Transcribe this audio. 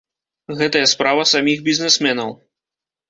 Гэтая справа саміх бізнесменаў.